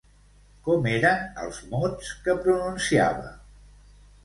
Com eren els mots que pronunciava?